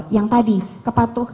yang tadi kepatuhan